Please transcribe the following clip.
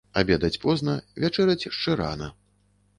Абедаць позна, вячэраць шчэ рана.